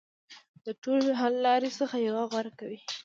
د ټولو حل لارو څخه یوه غوره کوي.